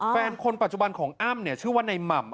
แฟนคนปัจจุบันของอ้ำชื่อว่าในหม่ำ